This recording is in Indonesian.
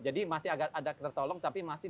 jadi masih ada tertolong tapi masih